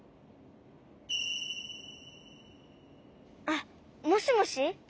あっもしもし？